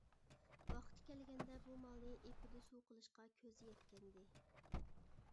ۋاقتى كەلگەندە بۇ مالنى ئېپىدە سۇ قىلىشقا كۆزى يەتكەنىدى.